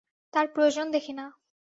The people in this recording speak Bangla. তার প্রয়োজন দেখি না।